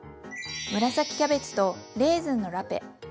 紫キャベツとレーズンのラペ。